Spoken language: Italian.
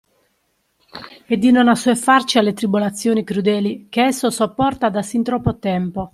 E di non assuefarci alle tribolazioni crudeli, che esso sopporta da sin troppo tempo.